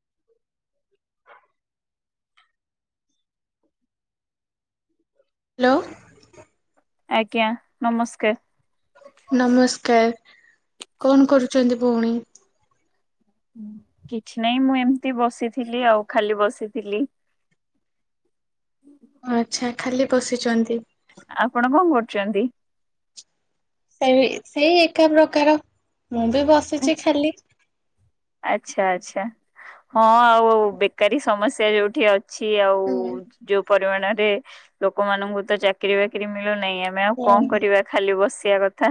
[unintelligible] Hello ଆଜ୍ଞା ନମସ୍କାର। ନମସ୍କାର କଣ କରୁଛନ୍ତି ଭଉଣୀ। କିଛି ନାହିଁ ମୁଁ ଏମତି ଏମତି ବସିଥିଲି ଆଉ ଖାଲି ବସି ଥିଲି। ଆଚ୍ଛା ଖାଲି ବସିଛନ୍ତି। ଆପଣ କଣ କରୁଛନ୍ତି। ସେ ସେଇ ଏକା ପ୍ରକାର। ମୁଁ ବି ବସିଛି ଆଛ୍ ଖାଲି। ଆଚ୍ଛା ଆଛା ହଁ ଆଉ ବେକାରୀ ସମସ୍ୟା ଯୋଉଠି ଅ ଅଛି ଆଉ ହୁଁ। ଯୋଉ ପରିମାଣରେ ଲୋକମାନଙ୍କୁ ତ ଚାକିରୀ ବାକିରି ମି ମିଲୁନାଇ ଆମେ ଆଉ କଣ ହୁଁ କରିବା ଖାଲି ବସି କରିବା କଥା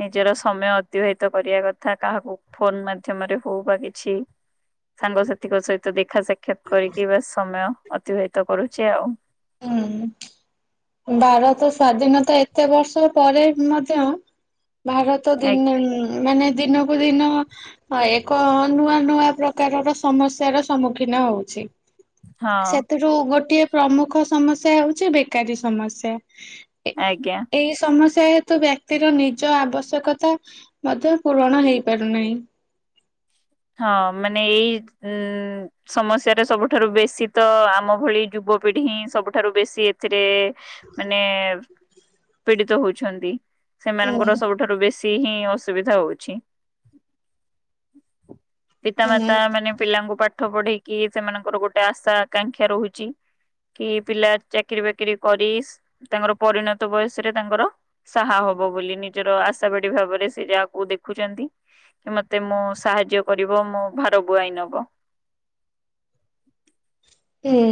ନିଜର ସମୟ ଅତିବାହିତ କରିବା କଥା କାହାକୁ ଫୋନ ମାଧ୍ୟ ମରେ ହଉ ବା କିଛି ସାଙ୍ଗସଥିଙ୍କ ସହିତ ଦେଖ ଦେଖା ସାକ୍ଷାତ କରିକି ବା ସମୟ। ଅତିବାହିତ କରୁଛି ଆଉ। ହୁଁ ଭାରତ ସ୍ଵାଧୀନତା ଏତେ ବର୍ଷ ପରେ ମଧ୍ୟ ଭାରତ ଦିନି ଆଜ୍ଞା ମାନେ ଦିନକୁ ଦିନ ଅ ଏକ ନୂଆ ନୂଆ ପ୍ରକାରର ସମସ୍ୟାର ସମ୍ମୁଖୀନ ହଉଛି। ହଁ ସେଥିରୁ ଗୋଟିଏ। ପ୍ରମୁଖ ସ ସମସ୍ୟା ହଉଛି ବେକାରୀ ସମସ୍ୟା। ଏ ଆଜ୍ଞା। ଏଇ ସମସ୍ ଯେହେତୁ ବ୍ୟକ୍ତିର ନିଜ ଆବଶ୍ୟକତା ମଧ୍ୟ ପୂରଣ ହେଇ ପାରୁନାହିଁ। ହଁ ମାନେ ଏଇ ଉ ସମସ୍ୟାରେ ସବୁଠାରୁ ବେଶୀ ତ ଆମ ଭଳି ଯୁବପିଢି ହିଁ ସବୁଠାରୁ ବେଶୀ ଏଥିରେ ମାନେ ପୀଡିତ ହଉଛନ୍ତି। ହୁଁ ସେମାନଙ୍କର ସବୁଠାରୁ ବେଶୀ ସେ ହିଁ ଅସୁବିଧା ହଉଛି। ପିତା ମାତା ହୁଁ ମାନେ ପିଲାଙ୍କୁ ପାଟ୍ ପାଠ ପଢେଇକି ସେମାନଙ୍କର ଗୋଟେ ଆଶା ଆକାଂକ୍ଷା ରହୁଛି। କି ପିଲା ଚାକିରି ବାକିରି କରି ତାଙ୍କର ପରିଣତ ବୟସରେ ତାଙ୍କର ସାହା ହବ ବୋଲି। ନିଜର ଆଶା ବାଡି ଭାବରେ ସେ ଯାହାକୁ ଦେଖୁଛନ୍ତି କି ମତେ ମୁଁ ସାହାଯ୍ୟ ଯ୍ୟ କରିବ ମୋ ଭାର ବୁଆଇ ନବ। ହୁଁ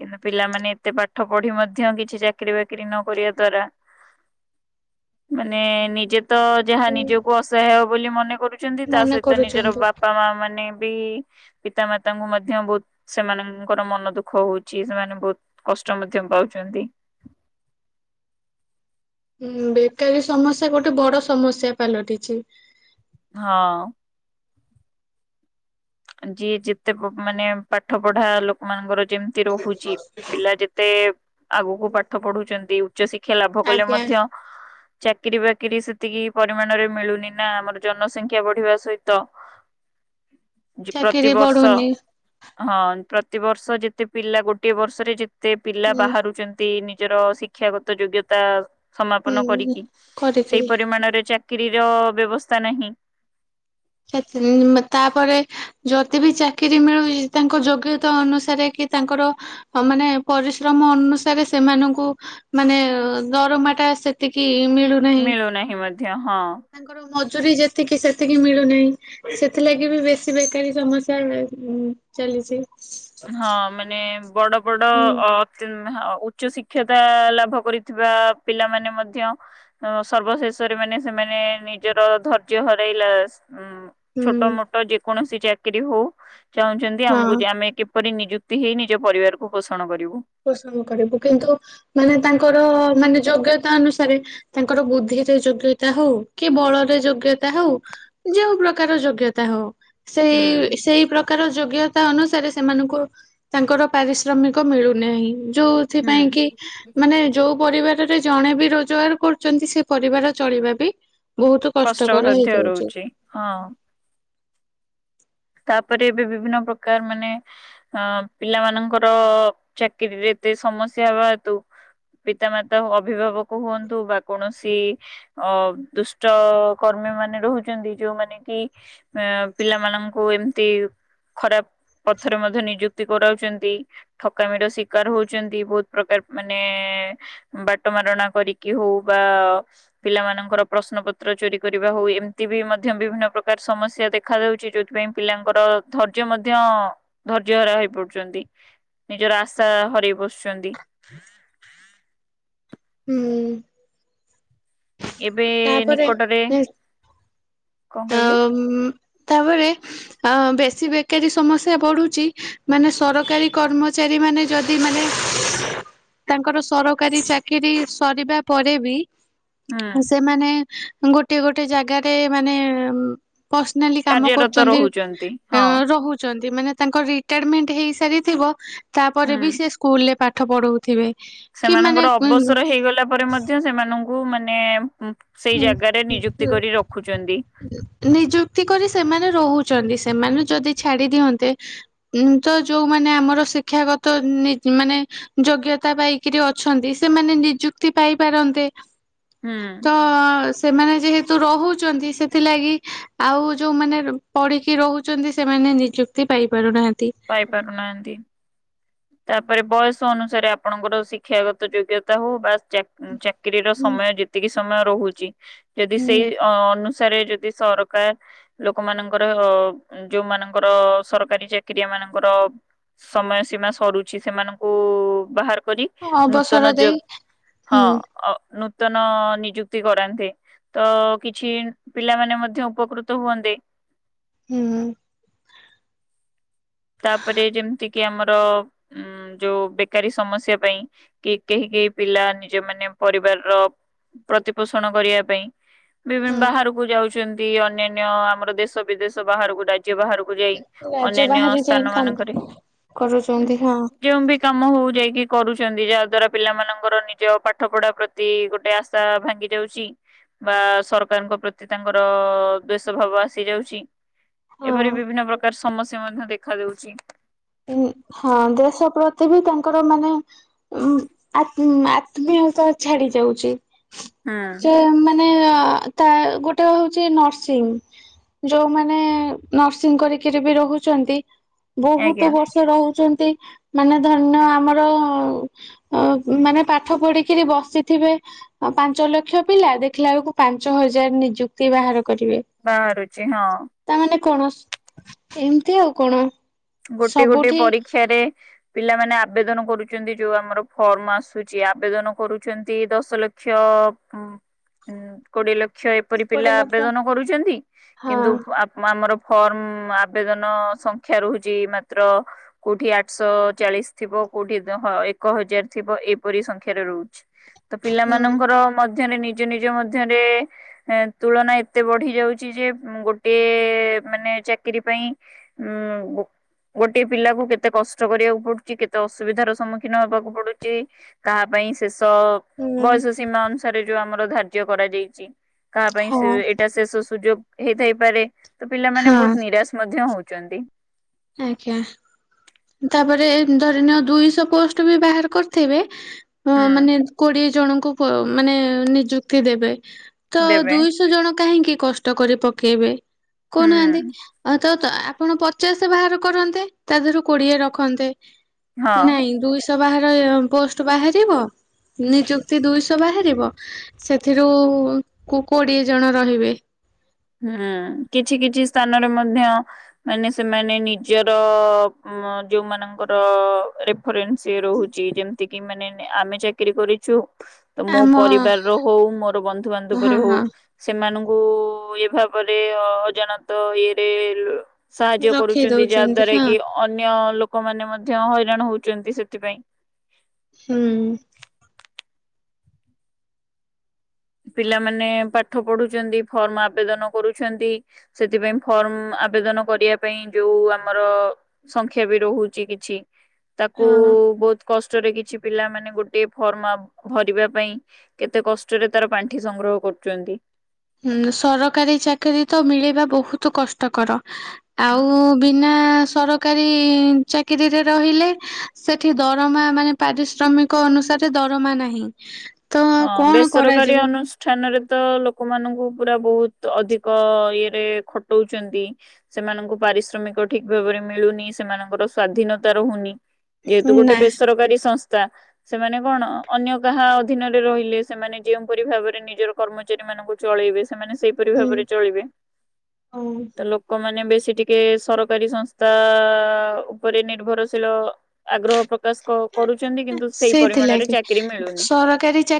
କିନ୍ତୁ ପିଲାମାନେ ଏତେ ପାଠ ପଢି ମଧ୍ୟ କିଛି ଚାକିରି ବାକିରି ନ କରିବା ଦ୍ଵାରା। ମାନେ ନିଜେ ତ ଯାହା ହୁଁ ନିଜକୁ ଅସହାୟ ବୋଲି ମନେ କରୁଛନ୍ତି। ତା ମନେ ସହିତ ନିଜର କରୁଛନ୍ତି। ବାପା ମା ମାନେ ବି ପିତା ମାତାଙ୍କୁ ମଧ୍ୟ ବହୁତ ସେମାନଙ୍କର ମନ ଦୁଃଖ ହଉ ଛି ସେମାନେ ବହୁତ କଷ୍ଟ ମଧ୍ୟ ପାଉଛନ୍ତି। ହୁଁ ବେକାରୀ ସମସ୍ୟା ଗୋଟେ ବଡ ସମସ୍ୟା ପାଲଟିଛି। ହଁ। ଯିଏ ଯେତେ କୋ ମାନେ ପାଠ ପଢା ଲୋକମାନଙ୍କର ଯେମି ତି ରହୁଛି ପିଲା ଯେତେ ଆଗକୁ ପାଠ ପଢୁଛନ୍ତି। ଉଚ୍ଚଶିକ୍ଷା ଲାଭ କଲେ ଆଜ୍ଞା ମଧ୍ୟ ଚାକିର ବା କିରି ସେତିକି ପରିମାଣରେ ମିଳୁନି ନା। ଆମର ଜନସଂଖ୍ୟା ବଢିବା ସହିତ ଚାକିରି ପ୍ରତିିବର୍ଷ ବଢୁନି ହଁ। ପ୍ରତି ବର୍ଷ ଯେତେ ପିଲା ଗୋଟିଏ ବର୍ଷରେ ଯେ ଏତେ ପିଲା ଉଁ ବାହାରୁଛନ୍ତି, ନି ଜର ଶିକ୍ଷାଗତ ଯୋଗ୍ୟତା। ସମାପନ ଉଁ କରିକି ସେଇ କରିକିରି ପରିମାଣରେ ଚା ଚାକିରି ର ବ୍ୟବସ୍ଥା ନାହିଁ ତାପରେ ଯଦି ବି ଚାକିରୀ ମିଳୁଛି ତାଙ୍କ ଯୋଗ୍ୟତା ଅନୁସାରେ କି ତାଙ୍କର ମାନେ ପରିଶ୍ରମ ଅନୁସାରେ ସେମାନଙ୍କୁ ମାନେ ଦରମାଟା ସେତିକି ମିଳୁନାହିଁ ମିଳୁନାହିଁ ମଧ୍ୟ ହଁ। ତାଙ୍କର ମଜୁୀ ଯେ ସେତିକି ସେତିକି ମିଳୁ ନହିଁ ସେଥିଲାଗି ବି ବେଶୀ ବେକାରୀ ସମସ୍ୟା ଚାଲିଛି ହଁ ମାନେ ବଡ଼ ବଡ଼ ହୁଁ ଅ ଉଚ୍ଚ ଶିକ୍ଷତା ଲାଭ କରିଥିବା ପିଲାମାନେ ମଧ୍ୟ ସର୍ବଶେଷରେ ମାନେ ସେମାନେ ନିଜର ଧୈର୍ଯ୍ୟ ହରାଇଲା ଉଁ ହୁଁ ଛୋଟ ମୋଟ ଯେକୌଣସି ଚାକିରି ହଉ ଚାହୁଁଛନ୍ତି ହଁ। ଆମକୁ ଯେ ଆମେ ପରି ନିଯୁକ୍ତି ହେଇ ନିଜ ପରିବାରକୁ ପୋଷଣ କରିବୁ ପସନ୍ଦ କରିବୁ କିନ୍ତୁ ମାନେ ତାଙ୍କର ମାନେ ଯୋଗ୍ୟତା ଅନୁସାରେ ତାଙ୍କର ବୁଦ୍ଧିରେ ଯୋଗ୍ୟତା ହଉ କି ବଳରେ ଯୋଗ୍ୟତା ହଉ ଯୋଉଁ ପ୍ରକାର ଯୋଗ୍ୟତା ହଉ ହୁଁ ସେଇ ସେଇ ପ୍ରକାର ଯୋଗ୍ୟ ତା ଅନୁସାରେ ସେମାନଙ୍କୁ ତାଙ୍କର ପାରିଶ୍ରମିକ ମିଳୁ ହି [unintelligible] ହୁଁ ଯୋଉଥିପାଇଁ କି ମାନେ ଯୋଉ ପରିବାର ରେ ଜଣେ ବି ରୋଜଗାର କରୁଛନ୍ତି ସେ ପରିବାର ଚଳିବା ବି ବହୁତ କଷ୍ଟକର କଷ୍ଟସଧ୍ୟ ହେଇଯାଉଛି ରହୁଛି ହଁ। ତାପରେ ଏବେ ବିଭିନ୍ନ ପ୍ରକାର ମାନେ ଅଁ ପିଲା ମାନଙ୍କର ଚାକିରିରେ ଏତେ ସମସ୍ୟା ହବା ହେତୁ ପିତାମାତା ଅଭିଭାବକ ହୁଅନ୍ତୁ ବା କୌଣସି ଅ ଦୁଷ୍ଟ କର୍ମୀ ମାନେ ରହୁଛନ୍ତି ଯୋଉମାନେ କି ଅ ପିଲାମାନଙ୍କୁ ଙ୍କୁ ଏମତି ଖରାପ ପଥରେ ମଧ୍ୟ ନିଯୁକ୍ତି କରାଉଛନ୍ତି ଠକାମିର ଶିକାର ହଉଛନ୍ତି ବହୁତ ପ୍ରକାର ମାନେ ବାଟ ମାରଣା କରିକି ହଉ ବା ପିଲାମାନଙ୍କର ପ୍ରଶ୍ନପତ୍ର ଚୋରି କରିବା ହଉ ଏମିତି ବି ମଧ୍ୟ ବିଭିନ୍ନ ପ୍ରକାର ସମସ୍ୟା ଦେଖା ଦଉଛି ଯୋ ଉଥିପାଇଁ ପିଲାଙ୍କର ଧୈର୍ଯ୍ୟ ମଧ୍ୟ ଧୈର୍ଯ୍ୟହରା ହେଇପଡୁଛନ୍ତି ନିଜର ଆଶା ହରାଇ ବସୁଛନ୍ତି। ହୁଁ। ଏବେ ତାପରେ ନିକଟରେ କଣ କହିଲେ? ଅମ୍ ତାପରେ ଅ ବେଶୀ ବେକାରୀ ସମସ୍ୟା ବଢୁଛି ମାନେ ସରକାରୀ କର୍ମଚାରୀ ମାନେ ଯଦି ମାନେ ତାଙ୍କର ସରକାରୀ ଚାକିରି ସରିବା ପରେ ବି ହୁଁ ସେମାନେ ଗୋଟେ ଗୋଟେ ଜାଗାରେ ମାନେ ପର୍ସନାଲି କାମ କାର୍ଯ୍ୟରତ କରୁଛନ୍ତି ରହୁଛନ୍ତି ହଁ ରହୁଛନ୍ତି ମାନେ ତାଙ୍କ ରିଟାୟାରମେଣ୍ଟ ହେଇ ସାରିଥିବ ତାପରେ ବି ହୁଁ। ସେ ସ୍କୁଲରେ ପାଠ ପାଠ ପଢଉଥିବେ। କି ମାନେ ସେମାନଙ୍କର ଅବସର ହେଇଗଲା ପରେ ମଧ୍ୟ ସେମାନଙ୍କୁ ଙ୍କୁ ମାନେ ସେଇ ହୁଁ ଜାଗାରେ ନିଯୁକ୍ତି କରି ରଖୁଛନ୍ତି [unintelligible] ନିଯୁକ୍ତି କରି ସେମାନେ ରହୁଛନ୍ତି ସେମାନେ ଯଦି ଛାଡି ଦିଅନ୍ତେ ଉଁ ତ ଯୋଉମାନେ ଆମର ଶିକ୍ଷାଗତ ନି ମାନେ ଯୋଗ୍ୟତା ପାଇକରି ଅଛନ୍ତି ସେମାନେ ନିଯୁକ୍ତି ପାଇପାରନ୍ତେ। ହୁଁ। ତ ସେମାନେ ଯେହେତୁ ରହୁ ସେଥିଲାଗି ଇ ଆଉ ଯୋଉମାନେ ର ପଢିକି ରହୁଛନ୍ତି ସେମାନେ ନିଯୁକ୍ତି ପାଇ ପାରୁନାହାନ୍ତି। ପାଇ ପାରୁନାହାନ୍ତି। ତାପରେ ବୟସ ଅନୁସାରେ ଆପଣଙ୍କର ଶିକ୍ଷାଗତ ଯୋଗ୍ୟତା ହଉ ବା ଚା ଚାକ୍ କି ର ହୁଁ ସମୟ ଯେତିକି ସି ସମୟ ରହୁଚି ଯଦି ସେଇ ଅ ଅନୁ ସାରେ ଯଦି ସରକାର ଲୋକମାନଙ୍କର ଅ ଯୋଉମାନଙ୍କର ଅ ସରକାରୀ ଚାକ୍ ରିଆ ମାନଙ୍କର ସମୟ ସୀମା ସରୁଛି ସେମାନଙ୍କୁ ବାହାର୍ କରି ହୁଁ ନୂତନ ଅବସର ଯ ଦେଇ ହଁ ହୁଁ ନୁ ନୂତନ ନିଯୁକ୍ତି କରାନ୍ତେ ତ କିଛି ପିଲାମାନେ ମଧ୍ୟ ଉପକୃତ ହୁଅନ୍ତେ। ହୁଁ ହୁଁ। ତାପରେ ଯେମିତି କିି ଆମର ଉମ୍ ଯୋଉ ବେକାରୀ ସମସ୍ୟା ପାଇଁ କି କେହି କେହି ପିଲା ନିଜ ମାନେ ପରିବାରର ପ୍ରତିପୋଷଣ କରିବା ପାଇଁ ବିଭି ହୁଁ। ବାହାରକୁ ଯାଉଚ୍ ଚନ୍ତି ଅନ୍ୟାନ୍ୟ ଆମର ଦେଶ ବିଦେଶ ବାହାରକୁ ଡାକ୍ ରାଜ୍ୟ ବାହାରକୁ ଯାଇ ଅନ୍ୟାନ୍ୟ ସ୍ କାମ୍ କରୁଚନ୍ତି ହଁ। ଯେଉଁ ବି କାମ ହଉ ଯାଇକି କରୁଛନ୍ତି ଯାହା ଦ୍ଵାରା ପିଲାମାନାନଙ୍କର ନିଜ ପାଠ ପଢ଼ା ପ୍ରତି ଗୋଟେ ଆଶା ଭାଙ୍ଗି ଯାଉଛି ବା ସରକାରଙ୍କ ପ୍ରତି ତାଙ୍କର ଦ୍ଵେଷ ଭାବ ଆସି ଯାଉଛି। ଏପରି ହଁ। ବିଭିନ୍ନ ପ୍ରକାର ସ ସମସ୍ୟା ମଧ୍ୟ ଦେଖ୍ ଦେଖା ଯାଉଚି। ଉଁ ହଁ ଦେଶ ପ୍ରତି ବି ତାଙ୍କର ମାନେ ଉଁ ଆତ୍ ଆତ୍ମୀୟତା ଛାଡି ଯାଉଚି। ହୁଁ ଯେ ମାନ୍ ମାନେ ତା ଗୋଟେ ହଉଛି ନର୍ସିଂ ଯୋଉମାନେ ନର୍ସିଂ କରିକି ରି ବି ରହୁଛନ୍ତି। ବହୁତ ଆଜ୍ଞା ବରଶ୍ ଚନ୍ତି ମାନେ ଧରନିଅ ଆମର ମାନେ ପାଠ ପଢ଼ିକିରି ବସିଥିବେ ପାଞ୍ଚ ଲକ୍ଷ ପିଲା ଦେଖିଲା ବେଳକୁ ପାଞ୍ଚ ହଜାର ନିଯୁକ୍ତି ବାହାର କରିବେ ବାହାରୁଚି ହଁ। ତାମାନେ କଣ ଏମିତି ଆଉ କଣ। ଗୋଟେ ଗୋଟେ ସବୁଠି ପରୀକ୍ଷାରେ। ପିଲାମାନେ ଆବେଦନ କରୁଛନ୍ତି ଯୋଉ ଆମର ଫର୍ମ ଆସୁଛି ଆବେଦନ କରୁଚନ୍ତି ଦଶ ଲକ୍ଷ ଅ କୋଡିଏ ଲକ୍ କ୍ଷ ଏପରି ପିଲା କୋଡ଼ିଏ ଲକ୍ଷ ଆବେଦନ କରୁଛନ୍ତି ହଁ। କିନ୍ତୁ ଆମ ଆମର ଫର୍ମ ଆବେଦନ ସଂଖ୍ୟା ରହୁଛି। ମାତ୍ର କୋଉଠି ଆଠଶହ ଚାଳିଶ ଥିବ କୋଉଠି ଏକ ହଜାର ଥିବ ଏପରି ସଂଖ୍ୟାରେ ରହୁଛି। ତ ପିଲା ହୁଁ। ମାନଙ୍କର ମ। ଧ୍ୟରେ ନିଜ ନିଜ ମଧ୍ୟରେ ତୁଳନା ଏତେ ବଢି ଯାଉଛି ଯେ ଗୋଟେ ମାନେ ଚାକିରୀ ପାଇଁ ଉଁ। ଗୋଟଏ ପିଲାକୁ କେତେ କଷ୍ଟ କରିବାକୁ ପଡୁଛି କେତେ ଅସୁବିଧାର ସମ୍ମୁଖୀନ ହବାକୁ ପଡୁଛି ତାହା ପାଇଁ ସେ। ତ ହୁଁ ବୟସ ସୀମା ଅନୁସାରେ। ଯୋଉ ଆମର ଧାର୍ଯ୍ୟ କରାଯାଇଛି। କାହା ପାଇଁ ହଁ ସେ ଏଇଟା ଶେଷ ସୁଯୋଗ। ହେଇଥାଇପାରେ। ତ ପିଲାମାନେେ ହଁ ବହୁତ ନିରାଶ ମଧ୍ୟ ହଉ। ଛନ୍ତି। ଆଜ୍ଞା। ତାପରେ ଧରିନଅ ଦୁଇଶହ ପୋଷ୍ଟ ବି ବାହାର କରିଥିବେ। ଅ ହୁଁ ମାନେ କୋଡିଏ। ଜଣଙ୍କୁ ପ ମାନେ ନିଯୁକ୍ତି ଦେବେ। ତ ଦେବେ ଦୁଇଶହ ଜଣ। କାହିଁକି କଷ୍ଟ କରି ପକେଇବେ। ହୁଁ କହୁନାହାନ୍ତି ଆ। ତ ତ ଆପଣ ପଚାଶ ବାହାର କରନ୍ତେ ତା ଦେହରୁ। କୋଡିଏ ରଖନ୍ତେ। ହଁ। ନାଇଁ ଦୁଇଶ। ବାହାର ପୋଷ୍ଟ ବାହାରିବ ନିଯୁକ୍ତି ଦୁଇଶହ ବାହାରିବ ସେଥିରୁ କୋଡିଏ ଜଣ ରହିବେ। ହୁଁ କିଛି କିଛି ସ୍ଥାନରେ ମଧ୍ୟ ମାନେ ସେମାନେ ନିଜର ଯୋଉମାନଙ୍କର ରେଫରେନ୍ସ ରହୁଛି ଯେମିତି କିି ମାନେ ଆମେ ଚାକିରି କରିଛୁ। ତ ମୋ ଆମ ପରିବାର ର ହଉ ମୋର ବନ୍ଧୁ ହଁ ବାନ୍ଧବରେ ହଉ ହଁ ସେମାନଙ୍କୁ। କୁ ଏ ତାପରେ ଅଜାଣତ ଇଏରେ ସାହାଯ୍ୟ ରଖେଇ କରୁଛନ୍ତି ଯାହା ଦଉଛନ୍ତି ଦ୍ଵାରା ହଁ କି ଅନ୍ୟ ଲୋକମାନେ ମଧ୍ୟ ହଇରାଣ ହଉ। ଚନ୍ତି ସେଥିପାଇଁ। ହୁଁ। ପିଲାମାନେ ପାଠ ପଢୁଛନ୍ତି ଫର୍ମ ଆବେଦନ କରୁଛନ୍ତି ସେଥିପାଇଁ ଫର୍ମ ଆବେଦନ କରିବା ପାଇଁ ଯୋଉ ଆମର ସଂଖ୍ୟା ବି ରହୁଛି କିଛି ତାକୁ ହଁ ବହୁତ କଷ୍ଟରେ କିଛି ପିଲା ମାନେ ଗୋଟେ ଫର୍ମ ଭରିବା ପାଇଁ କେତେ କଷ୍ଟରେ। ତାର ପାଣ୍ଠି ସଂଗ୍ରହ କରୁଛନ୍ତି। ହୁଁ ସରକାରୀ ଚାକିରି ତ ମିଳିବା ବହୁତ କଷ୍ଟକର। ଆଉ ବି ବିନା ସରକାରୀ ଚାକିରିରେ ରହିଲେ ସେଠି ଦରମା ମାନେ ପାରିଶ୍ରମିକ ଅନୁସାରେ ଦରମା ନାହିଁ। ତ ହଁ କଣ ବେସରକାରୀ କରାଯିବ ଅନୁଷ୍ଠାନରେ। ତ ଲୋକମାନଙ୍କୁ ପୁରା ବୋହୁତ୍ ଅଧିକ ଇଏରେ ଖଟଉ ଚନ୍ତି। ସେମାନଙ୍କୁ ପାରିଶ୍ରମିକ ଠିକ୍ ଭାବ ରେ ମିଳୁନି ସେମାନଙ୍କ ର ସ୍ୱାଧୀନତା ରୋହୁନି ଇ ଏତ ଗୋଟେ ନା ବେସରକାରି ସଂସ ବା ସେମାନେ କଣ ଅନ୍ୟ କାହା ଅ ଦିନରେ ରହିଲେ ସେମାନେ ଯେଉଁପରି ଭାବରେ ନିଜର କର୍ମଚାରୀ ମାନଙ୍କୁ ଚଳେଇବେ। ସେମାନେ ସେଇପରି ହୁଁ ଭାବରେ ଚଳିବେ ହଁ ତ ଲୋକମାନେ ବେଶୀ ସେ ଟିକେ ସରକାରୀ ସଂସ୍ଥା ଉପରେ ନିର୍ଭରଶୀଳ ଆଗ୍ରହ ପ୍ର ବାସ୍ କ କରୁଛନ୍ତି କିନ୍ତୁ ସେଇ ପରିମାଣରେ ଚାକିରୀ ମିଳୁନି।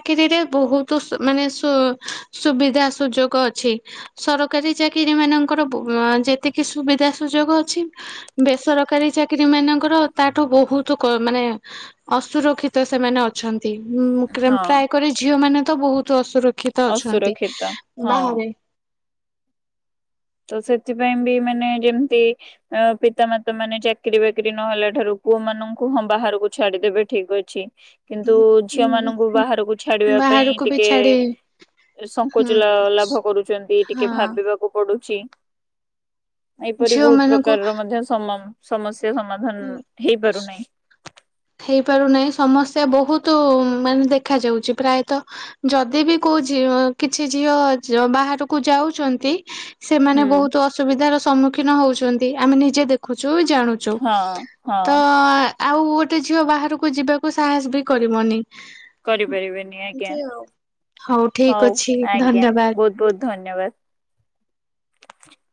ଚାକିରୀ ରେ ବୋହୁତ୍ ମାନେ ସ ସୁବିଧା ସୁଯୋଗ ଅଛି। ସରକାରୀ ଚାକିରୀ ମାନଙ୍କର ବୋହୁ ଯେତିକି ସୁବିଧା ସୁଯୋଗ ଅଛି। ବେସର କାରି ଚାକିରୀ ମାନଙ୍କର ତାଠୁ ବୋହୁତ୍ କମ୍ ମାନେ ଅସୁରକ୍ଷିତ ସେମାନେ ଅଛନ୍ତି। ତ୍ତୀ ମୁଁ କ୍ରୟଏମ୍ ହଁ। ପ୍ରାୟ କରୀ ଝିଅ ମାନେ ତ ବହୁତ୍ ଦଶରେ ଶିକ୍ଷିତ ଅଛନ୍ତି ଅସୁରକ୍ଷିତ ହଁ ବାହାରେ ତ ସେଥିପାଇଁ ବି ମାନେ ଯେମତି ପିତାମାତା ମାନେ ଚାକିରୀ ବାକିରି ନହଲେ ଠାରୁ ପୁଅ ମାନଙ୍କୁ ହଁ ବାହାରକୁ ଛାଡିଦେବେ ଠିକ୍ ଅଛି। କିନ୍ତୁ ଝିଅ ମାନଙ୍କୁ ଉଁ ବାହାରକୁ ଛାଡିବା ପାଇଁ ବାହାରକୁ ବି ଟିକେ ଛାଡି ସଂଙ୍କୋଚ ହଁ ଲାଭ କରୁଛନ୍ତି ଟିକେ ହଁ ଭାବିବାକୁ ପଡୁ ଚି ଏହିପରି ଝିଅ ବୋହୁତ୍ ମାନଙ୍କୁ ପ୍ରକାରର ମଧ୍ୟ ସମାମ ସମସ ସେ ସମାଧାନ ହେଇପାରୁନାହିଁ। ହେଇପାରୁନାହିଁ ସମସ୍ୟା ବହୁତ ମାନେ ଦେଖ ଯାଉଛି ପ୍ରାୟତଃ ଯଦି ବି କୋଉଅ କିଛି ସେମାନେ ହୁଁ ବହୁତ ଅସୁବିଧାର ସ ସମ୍ମୁଖୀନ ହଉଚନ୍ତି ଆମେ ନିଜେ ଦେଖୁଛୁ। ଯଉ ବି ଜାଣୁଚୁ ହଁ ହଁ ତ ଆ ଆଉ ଉ ଗୋଟେ ଝିଅ ବାହାରକୁ ଯିବାକୁ ସାହସ୍ ବି କରିବନି। କରିପାରିବେନି ଆଜ୍ଞା ଏମତି ଆଉ ଠିକ ହଉ ଅଛି ଆଜ୍ଞା ଧନ୍ୟବାଦ। ବହୁତ ବହୁତ ଧନ୍ୟବାଦ। ଚାଏ